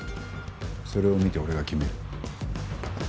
それを見て俺が決める。